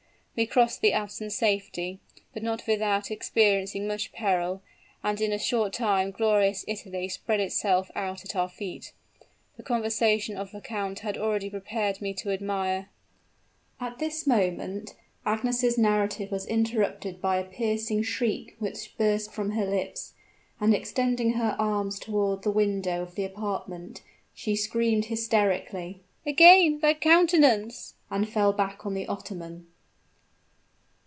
"We crossed the Alps in safety, but not without experiencing much peril; and in a short time glorious Italy spread itself out at our feet. The conversation of the count had already prepared me to admire " At this moment, Agnes' narrative was interrupted by a piercing shriek which burst from her lips; and extending her arms toward the window of the apartment, she screamed hysterically, "Again that countenance!" and fell back on the ottoman.